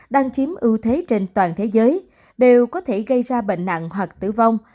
đang chiếm ưu thế trên toàn thế giới đều có thể gây ra bệnh nặng hoặc tử vong